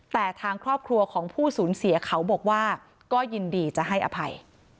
แต่ทางครอบครัวของผู้สูญเสียเขาบอกว่าก็ยินดีจะให้อภัย